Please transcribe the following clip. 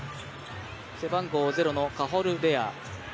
背番号０、カホルレア。